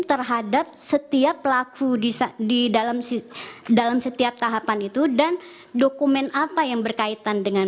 terhadap setiap pelaku di dalam setiap tahapan itu dan dokumen apa yang berkaitan dengan